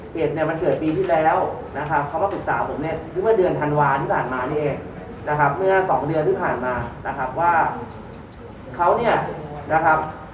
เนี่ยมันเกิดปีที่แล้วนะครับเขามาปรึกษาผมเนี่ยเมื่อเดือนธันวาที่ผ่านมานี่เองนะครับเมื่อสองเดือนที่ผ่านมานะครับว่าเขาเนี่ยนะครับ